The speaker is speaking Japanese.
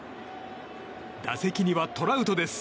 打席にはトラウトです。